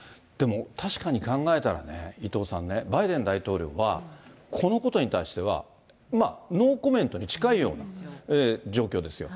確かに考えたらね、伊藤さんね、バイデン大統領は、このことに対しては、ノーコメントに近いような状況ですよ。